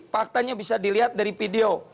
faktanya bisa dilihat dari video